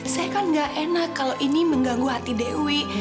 saya kan gak enak kalau ini mengganggu hati dewi